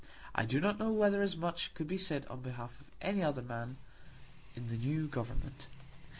I do not know whether as much could be said on behalf of any other man in the new Government.